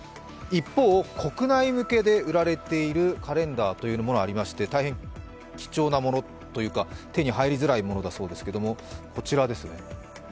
一方、国内向けで売られているカレンダーというものもありまして大変貴重なものというか手に入りづらいものなんですがこちらですね。